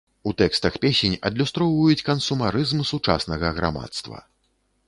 У тэкстах песень адлюстроўваюць кансумарызм сучаснага грамадства.